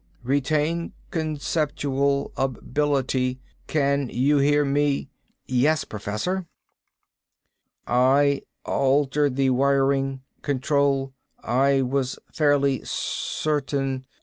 Retain conceptual ability. Can you hear me?" "Yes, Professor " "I altered the wiring. Control. I was fairly certain....